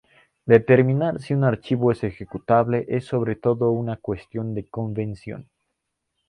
Determinar si un archivo es ejecutable es sobre todo una cuestión de convención.